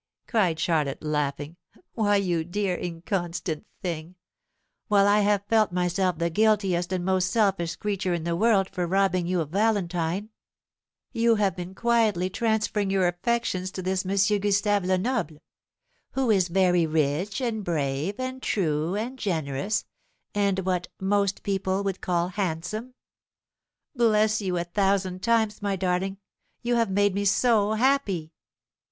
cried Charlotte, laughing. "Why, you dear inconstant thing, while I have felt myself the guiltiest and most selfish creature in the world for robbing you of Valentine, you have been quietly transferring your affections to this M. Gustave Lenoble who is very rich, and brave, and true, and generous, and what most people would call handsome! Bless you, a thousand times, my darling! You have made me so happy!"